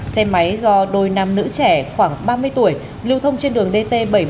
xe máy do đôi nam nữ trẻ khoảng ba mươi tuổi lưu thông trên đường dt bảy trăm bốn mươi một